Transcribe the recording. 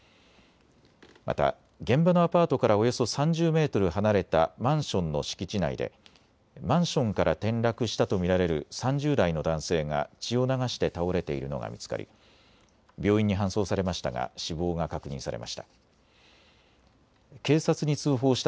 また現場のアパートからおよそ３０メートル離れたマンションの敷地内でマンションから転落したと見られる３０代の男性が血を流して倒れているのが見つかり病院に搬送されましたが死亡が確認されました。